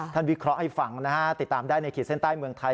วิเคราะห์ให้ฟังนะฮะติดตามได้ในขีดเส้นใต้เมืองไทย